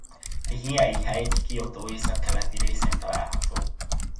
A Hiei-hegy Kiotó északkelete részén található.